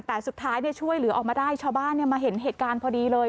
แต่สุดท้ายช่วยเหลือออกมาได้ชาวบ้านมาเห็นเหตุการณ์พอดีเลย